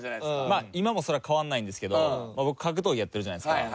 まあ今もそれは変わらないんですけど僕格闘技やってるじゃないですか。